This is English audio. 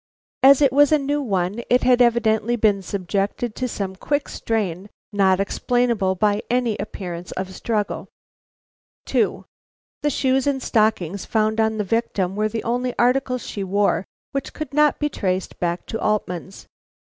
As it was a new one, it had evidently been subjected to some quick strain, not explainable by any appearance of struggle. 2. The shoes and stockings found on the victim were the only articles she wore which could not be traced back to Altman's.